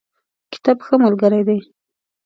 کتاب ښه ملګری دی